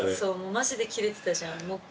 マジでキレてたじゃん。